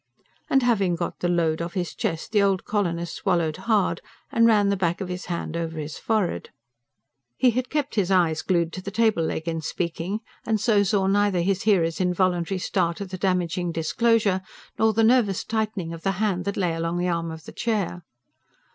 And having got the load off his chest, the old colonist swallowed hard, and ran the back of his hand over his forehead. He had kept his eyes glued to the table leg in speaking, and so saw neither his hearer's involuntary start at the damaging disclosure, nor the nervous tightening of the hand that lay along the arm of the chair.